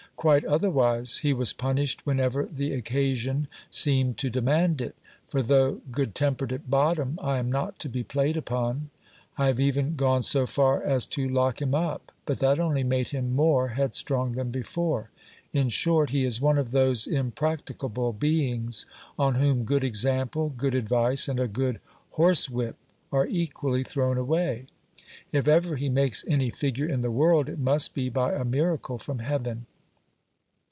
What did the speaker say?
Quite otherwise ! he was punished whenever the occasion seemed to demand it ; for, though good tem pered at bottom, I am not to be played upon. I have even gone so far as to lock him up, but that only made him more headstrong than before. In short, he is one of those impracticable beings, on whom good example, good advice, and a good horsewhip, are equally thrown away. If ever he makes any figure in the world, it must be by a miracle from heaven.